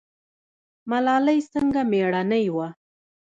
ملالۍ څنګه میړنۍ وه؟